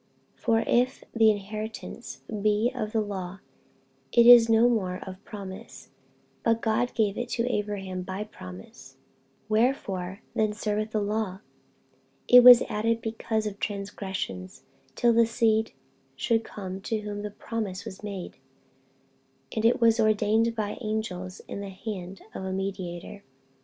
48:003:018 For if the inheritance be of the law, it is no more of promise: but God gave it to Abraham by promise. 48:003:019 Wherefore then serveth the law? It was added because of transgressions, till the seed should come to whom the promise was made; and it was ordained by angels in the hand of a mediator.